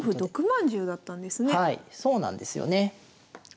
そうなんですよね。